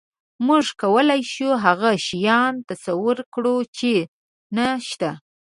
موږ کولی شو هغه شیان تصور کړو، چې نهشته.